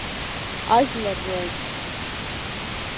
Ажәлар роуп.